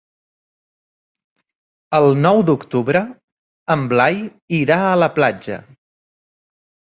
El nou d'octubre en Blai irà a la platja.